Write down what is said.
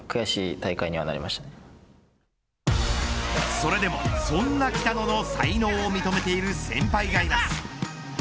それでもそんな北野の才能を認めている先輩がいます。